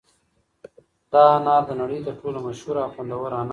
دا انار د نړۍ تر ټولو مشهور او خوندور انار دي.